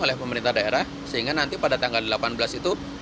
oleh pemerintah daerah sehingga nanti pada tanggal delapan belas itu